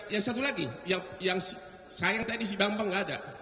yang satu lagi yang sayang tadi si bambang nggak ada